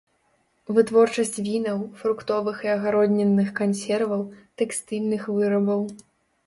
Вытворчасць вінаў, фруктовых і агароднінных кансерваў, тэкстыльных вырабаў.